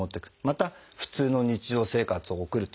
また普通の日常生活を送る。